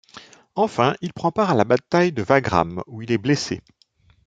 Enfin, il prend part à la bataille de Wagram, où il est blessé.